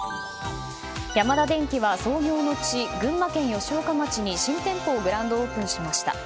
ヤマダデンキは創業の地・群馬県吉岡町に新店舗をグランドオープンしました。